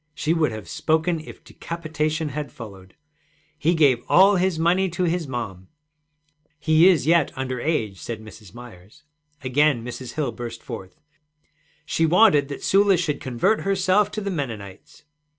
She would have spoken if decapitation had followed. 'He gave all his money to his mom.' 'He is yet under age,' said Mrs. Myers. Again Mrs. Hill burst forth: 'She wanted that Sula should convert herself to the Mennonites.'